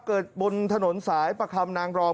บนถนนสายประคำนางรอง